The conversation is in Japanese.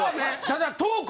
ただ。